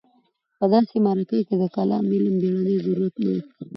په داسې معرکه کې د کلام علم بېړنی ضرورت نه و.